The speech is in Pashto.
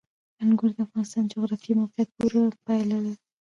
انګور د افغانستان د جغرافیایي موقیعت پوره پایله ده.